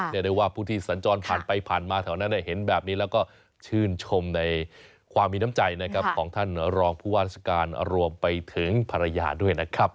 เรียกได้ว่าผู้ที่สัญจรผ่านไปผ่านมาแถวนั้นเห็นแบบนี้แล้วก็ชื่นชมในความมีน้ำใจนะครับของท่านรองผู้ว่าราชการรวมไปถึงภรรยาด้วยนะครับ